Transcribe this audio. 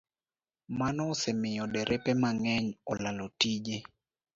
Mano osemiyo derepe mang'eny olalo tije